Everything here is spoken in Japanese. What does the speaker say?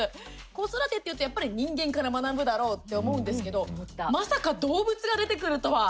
子育てっていうとやっぱり人間から学ぶだろうって思うんですけどまさか動物が出てくるとは。